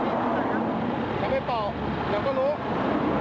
ทำไมเป่าเดี๋ยวก็รู้